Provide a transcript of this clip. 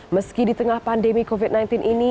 meski di tengah pandemi covid sembilan belas ini